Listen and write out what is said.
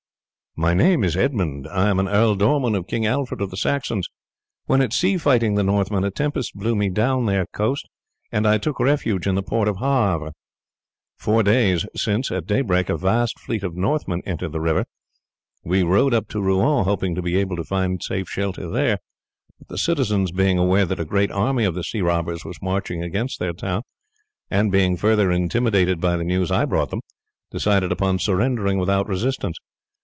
"My name is Edmund. I am an ealdorman of King Alfred of the Saxons. When at sea fighting the Northmen a tempest blew me down your coast, and I took refuge in the port of Havre. Four days since at daybreak a vast fleet of Northmen entered the river. We rowed up to Rouen hoping to be able to find safe shelter there; but the citizens being aware that a great army of the sea robbers was marching against their town, and being further intimidated by the news I brought them, decided upon surrendering without resistance.